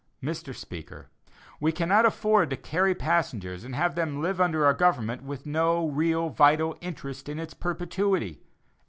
Mr. Speaker: We cannot afford to carry passengers and have them live under our government with no real vital interest in its perpetuity.